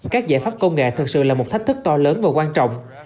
các giải pháp công nghệ thực sự là một thách thức to lớn và quan trọng